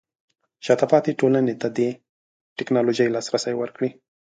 شاته پاتې ټولنې ته د ټیکنالوژۍ لاسرسی ورکړئ.